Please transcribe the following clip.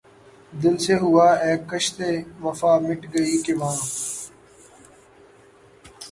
دل سے ہواے کشتِ وفا مٹ گئی کہ واں